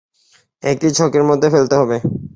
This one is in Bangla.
একটি ছকের মধ্যে ফেলতে হবে।